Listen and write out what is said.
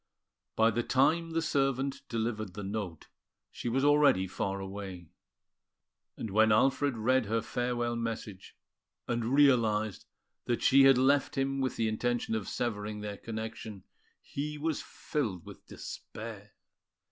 By the time the servant delivered the note, she was already far away; and when Alfred read her farewell message, and realised that she had left him with the intention of severing their connection, he was filled with despair.